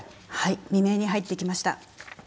未明に入ってきました。